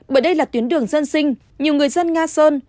bởi đây là tuyến đường dân sinh nhiều người dân nga sơn